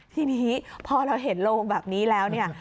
ทีนี้พอเราเห็นโลงแบบนี้แล้วเนี่ย